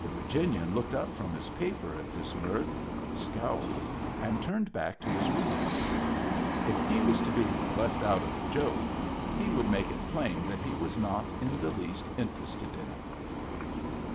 The Virginian looked up from his paper at this mirth, scowled, and turned back to his reading. If he was to be " left out " of the joke, he would make it plain that he was not in the least in terested in it.